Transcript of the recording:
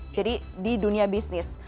jadi di dunia bisnis